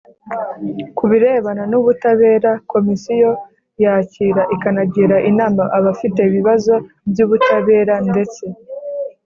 Ku birebana n ubutabera Komisiyo yakira ikanagira inama abafite ibibazo by ubutabera ndetse